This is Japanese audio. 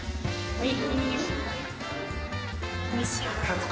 はい。